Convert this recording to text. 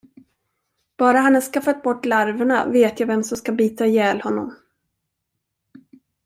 Bara han har skaffat bort larverna, vet jag vem som ska bita ihjäl honom.